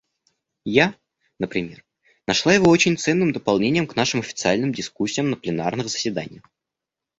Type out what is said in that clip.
Я, например, нашла его очень ценным дополнением к нашим официальным дискуссиям на пленарных заседаниях.